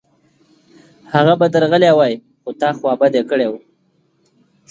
هغه به درغلی وای، خو تا خوابدی کړی و